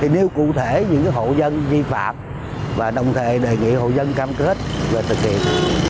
nêu cụ thể những hộ dân vi phạm và đồng thời đề nghị hộ dân cam kết về thực hiện